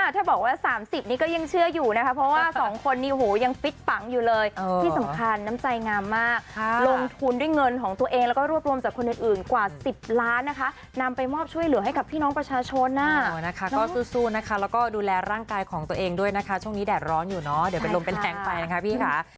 ถ้าบอกว่า๓๐นี้ก็ยังเชื่ออยู่นะคะเพราะว่าสองคนนี้โหยังฟิตปังอยู่เลยที่สำคัญน้ำใจงามมากลงทุนด้วยเงินของตัวเองแล้วก็รวบรวมจากคนอื่นกว่า๑๐ล้านนะคะนำไปมอบช่วยเหลือให้กับพี่น้องประชาชนก็สู้นะคะแล้วก็ดูแลร่างกายของตัวเองด้วยนะคะช่วงนี้แดดร้อนอยู่เนาะเดี๋ยวเป็นลมเป็นแทงไปนะคะพี่ค่ะ